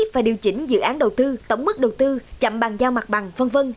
và điều chỉnh dự án đầu tư tổng mức đầu tư chậm bàn giao mặt bằng v v